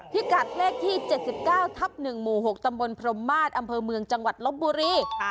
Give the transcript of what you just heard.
พิกัดเลขที่๗๙ทับ๑หมู่๖ตำบลพรมมาศอำเภอเมืองจังหวัดลบบุรี